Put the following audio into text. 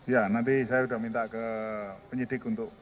ya pak saya a'am dari trans tujuh pak